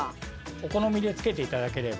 お好みでつけていただければ。